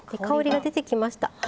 香りが出てきました。